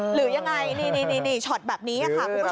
หรือยังไงนี่ช็อตแบบนี้ค่ะคุณผู้ชม